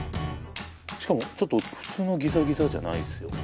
しかもちょっと普通のギザギザじゃないすよ